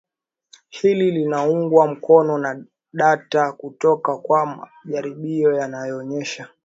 hili linaungwa mkono na data kutoka kwa majaribio yanayoonyesha